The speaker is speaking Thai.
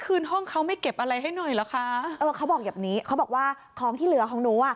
เออเขาบอกอย่างนี้เขาบอกว่าของที่เหลือของนู้นอ่ะ